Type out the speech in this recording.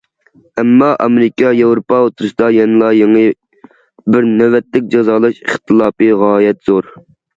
ئەمما ئامېرىكا ياۋروپا ئوتتۇرىسىدا يەنىلا يېڭى بىر نۆۋەتلىك جازالاش ئىختىلاپى غايەت زور.